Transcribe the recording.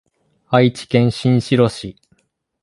愛知県新城市